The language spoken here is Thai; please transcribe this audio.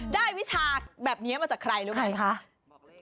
ได้วิชาแบบนี้มาจากใครรึเปล่าก่อนรู้เลยนะคะใครคะ